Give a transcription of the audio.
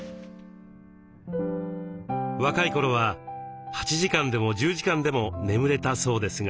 若い頃は８時間でも１０時間でも眠れたそうですが。